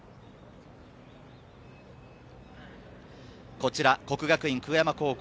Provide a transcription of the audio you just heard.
こちら國學院久我山高校。